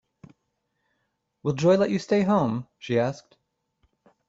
“Will Joy let you stay home?” she asked.